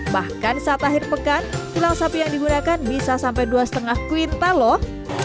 bahkan saat akhir pekan tulang sapi yang digunakan bisa sampai dua lima kuintal loh